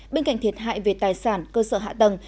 bên cạnh thiệt hại về tài sản cơ sở hạ tầng